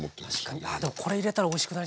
ああでもこれ入れたらおいしくなりそうですね。